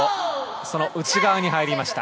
その内側に入りました。